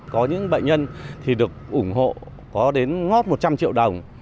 có những bệnh nhân thì được ủng hộ có đến ngót một trăm linh triệu đồng